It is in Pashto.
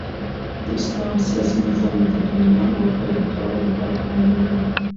د اسلام سیاسي نظام د دؤنيا او آخرت دواړو له پاره قوانين لري.